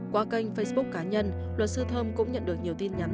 qua kênh facebook cá nhân luật sư thơm cũng nhận được nhiều tin nhắn